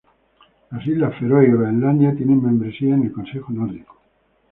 Las Islas Feroe y Groenlandia tienen membresía en el Consejo Nórdico.